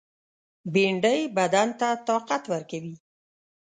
بېنډۍ بدن ته طاقت ورکوي